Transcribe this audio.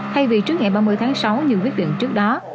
thay vì trước ngày ba mươi tháng sáu như viết viện trước đó